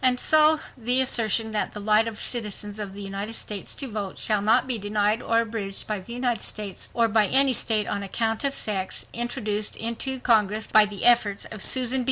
And so the assertion that "the right of citizens of the United States to vote shall not be denied or abridged by the United States or by any state on account of sex," introduced into Congress by the efforts of Susan B.